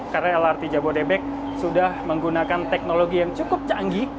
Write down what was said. karena lrt jabodetabek sudah menggunakan teknologi yang cukup canggih